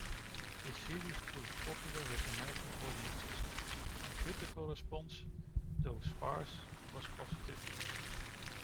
The series proved popular with American audiences and critical response, though sparse, was positive.